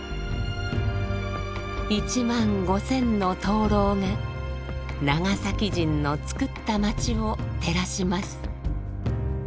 １万５，０００の灯籠が長崎人のつくった街を照らします。